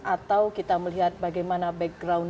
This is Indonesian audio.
atau kita melihat bagaimana background